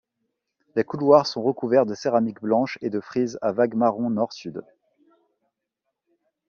Les couloirs sont recouverts de céramiques blanches et de frises à vagues marron Nord-Sud.